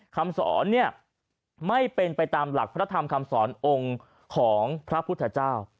คำสอนเนี่ยไม่เป็นไปตามหลักพระธรรมคำสอนองค์ของพระพุทธเจ้า